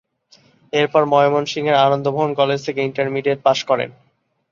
এরপর ময়মনসিংহের আনন্দমোহন কলেজ থেকে ইন্টারমিডিয়েট পাশ করেন।